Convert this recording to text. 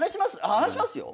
話しますよ？